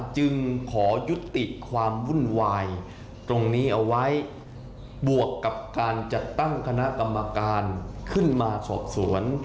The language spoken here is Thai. จึงขอยุติความวุ่นวายตรงนี้เอาไว้บวกกับการจัดตั้งคณะกรรมการขึ้นมาสอบสวน